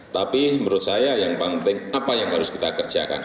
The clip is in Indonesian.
tapi menurut saya yang paling penting apa yang harus kita kerjakan